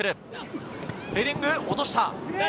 ヘディングを落とした。